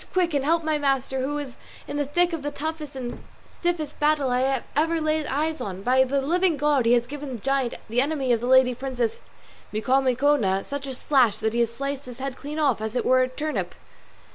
quick; and help my master, who is in the thick of the toughest and stiffest battle I ever laid eyes on. By the living God he has given the giant, the enemy of my lady the Princess Micomicona, such a slash that he has sliced his head clean off as if it were a turnip."